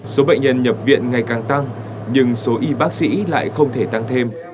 số bệnh nhân nhập viện ngày càng tăng nhưng số y bác sĩ lại không thể tăng thêm